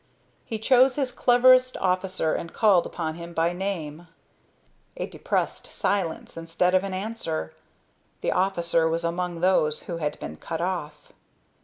He chose his cleverest officer and called upon him by name. A depressed silence instead of an answer. The officer was among those who had been cut off.